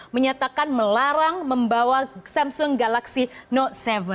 menyatakan melarang membawa samsung galaxy no tujuh